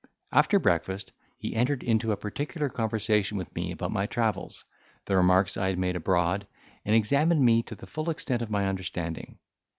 After breakfast, he entered into a particular conversation with me about my travels, the remarks I had made abroad, and examined me to the full extent of my understanding.